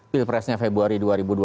pilpresnya februari dua ribu dua puluh